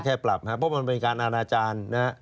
แค่ปรับครับเพราะมันเป็นการอาณาจารย์นะฮะ